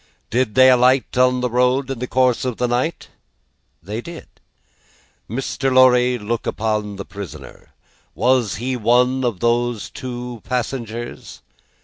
"Did they alight on the road in the course of the night?" "They did." "Mr. Lorry, look upon the prisoner. Was he one of those two passengers?"